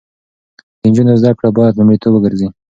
د نجونو زده کړې باید لومړیتوب وګرځي.